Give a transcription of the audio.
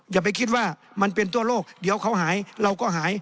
อย่าไปคิดว่ามันเป็นทั่วโลกเดี๋ยวเขาหายเราก็หาย